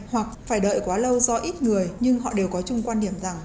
hoặc phải đợi quá lâu do ít người nhưng họ đều có chung quan điểm rằng